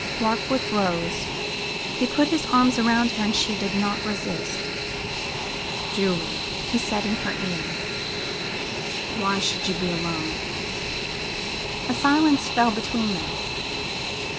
Warkworth rose. He put his arms round her, and she did not resist. "Julie," he said in her ear, "why should you be alone?" A silence fell between them.